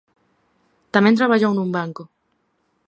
Tamén traballou nun banco.